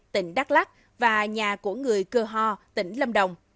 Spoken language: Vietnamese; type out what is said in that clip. tỉnh đắk lắc và nhà của người cơ ho tỉnh lâm đồng